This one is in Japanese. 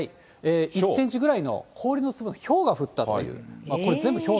１センチぐらいの氷の粒が、ひょうが降ったっていう。